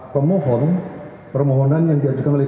permohonan yang diajukan oleh